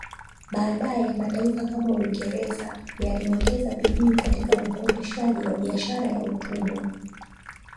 Baadaye mataifa kama Uingereza yaliongeza bidii katika ukomeshaji wa biashara ya utumwa